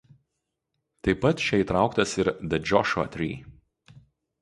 Taip pat čia įtrauktas ir "The Joshua Tree".